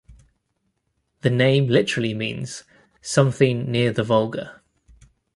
The name literally means "something near the Volga".